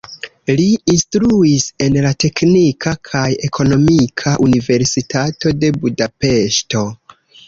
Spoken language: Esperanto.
Li instruis en la Teknika kaj Ekonomika Universitato de Budapeŝto.